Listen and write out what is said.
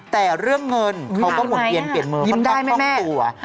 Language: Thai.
แต่เรื่องเงินเขาก็หมุนเกียรติเปลี่ยนเมืองค่อนข้างข้างกลัว